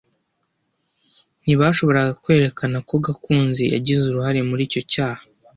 Ntibashoboraga kwerekana ko Gakunzi yagize uruhare muri icyo cyaha.